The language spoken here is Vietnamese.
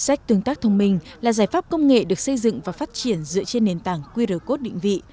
sách tương tác thông minh là giải pháp công nghệ được xây dựng và phát triển dựa trên nền tảng qr code định vị